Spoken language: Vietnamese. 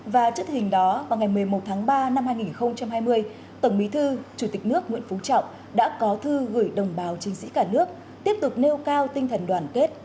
và trước hình đó vào ngày một mươi một tháng ba năm hai nghìn hai mươi tổng bí thư chủ tịch nước nguyễn phú trọng đã có thư gửi đồng bào chiến sĩ cả nước tiếp tục nêu cao tinh thần đoàn kết